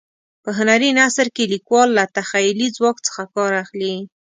په هنري نثر کې لیکوال له تخیلي ځواک څخه کار اخلي.